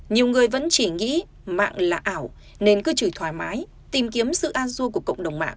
nhiều người vẫn chỉ nghĩ mạng là ảo nên cứ chỉ thoải mái tìm kiếm sự an dua của cộng đồng mạng